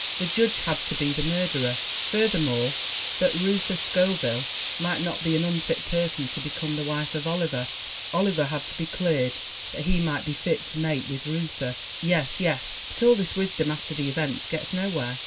The Judge had to be the murderer, furthermore, that Reuther Scoville might not be an unfit person to be come the wife of Oliver. Oliver had to be cleared that he might be fit to mate with Reuther! Yes, yes; but all this wisdom after the event gets nowhere.